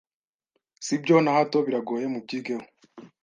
Sibyo nahato biragoye mubyigeho